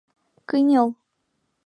— Кынел...